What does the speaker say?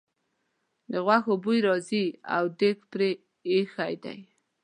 د غوښو بوی راځي او دېګ پرې ایښی دی.